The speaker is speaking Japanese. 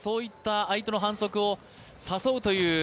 相手の反則を誘うという。